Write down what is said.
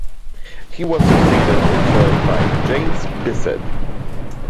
He was succeeded in turn by James Bisset.